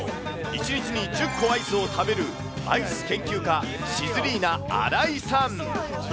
１日に１０個アイスを食べるアイス研究家、シズリーナ荒井さん。